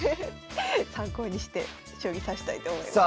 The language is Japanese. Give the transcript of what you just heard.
参考にして将棋指したいと思います。